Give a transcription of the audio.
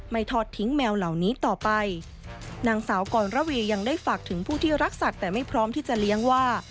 ทอดทิ้งแมวเหล่านี้ต่อไปนางสาวกรระเวยังได้ฝากถึงผู้ที่รักสัตว์แต่ไม่พร้อมที่จะเลี้ยงว่า